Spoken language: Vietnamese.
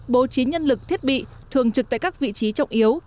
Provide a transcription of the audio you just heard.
bố trí nhân lực thiết bị thường trực tại các vị trí trọng yếu